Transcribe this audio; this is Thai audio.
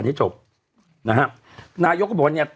เราก็มีความหวังอะ